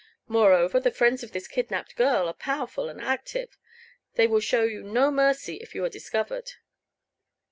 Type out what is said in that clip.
"Moreover, the friends of this kidnaped girl are powerful and active. They will show you no mercy if you are discovered."